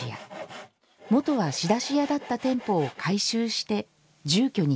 元は仕出し屋だった店舗を改修して住居にするのです。